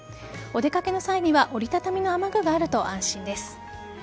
お出かけの際には折り畳みの雨具があると安心です。